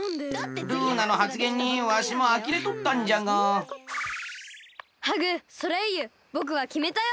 ルーナのはつげんにわしもあきれとったんじゃがハグソレイユぼくはきめたよ！